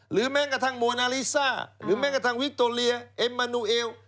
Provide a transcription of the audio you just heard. หรือแม้งกระทั่งมวนาลีซ่าหรือแม้งกระทั่งวิกโตเลียเอมมานูเอล